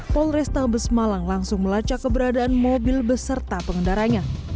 polresta besmalang langsung melacak keberadaan mobil beserta pengendaranya